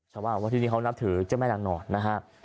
ฉันว่าวันนี้เขานับถือเจ้าแม่นางนอนนะครับ